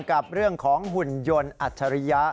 กับเรื่องของหุ่นยนต์อัจฉริยะ